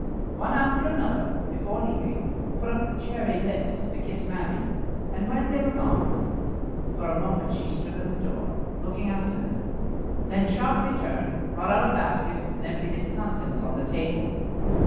One after another, before leaving, put up the cherry lips to kiss mammy; and when they were gone, for a moment she stood in the door looking after them, then sharply turned, brought out a basket, and emptied its contents on the table.